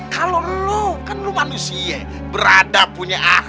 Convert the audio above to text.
kalau lo kan lo manusia berada punya akhlak ha